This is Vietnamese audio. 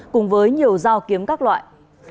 cùng với nhiều dao kiếm các loại